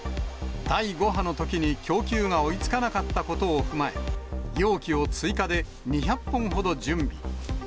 第５波のときに供給が追いつかなかったことを踏まえ、容器を追加で２００本ほど準備。